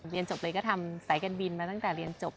เรียนจบเลยก็ทำสายการบินมาตั้งแต่เรียนจบ